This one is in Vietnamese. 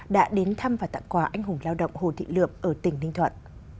đã đến thăm và tặng quà anh hùng lao động hồ thị lượm ở tỉnh ninh thuận